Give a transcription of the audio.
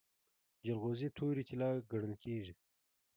جلغوزي تورې طلا ګڼل کیږي.